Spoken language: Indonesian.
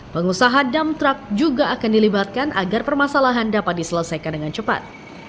pengusaha dump truck juga akan dilibatkan agar permasalahan dapat diselesaikan dengan cepat